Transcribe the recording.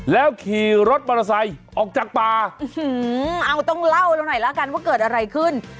แล้วขี่รถมอเตอร์ไซค์ออกจากป่าเอาต้องเล่าเราหน่อยแล้วกันว่าเกิดอะไรขึ้น